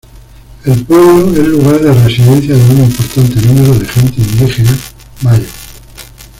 El pueblo es lugar de residencia de un importante número de gente indígena mayo.